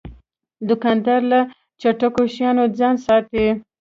دوکاندار له چټلو شیانو ځان ساتي.